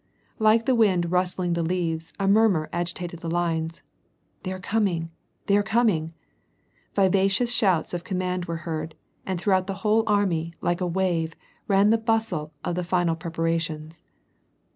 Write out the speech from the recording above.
Like the wind rustling the leaves, a murmur agitated the lines: "They are coming! They are coming!" Vivacious shouts of command were heard, and throughout the whole army, like a wave, ran the bustle of the final preparations.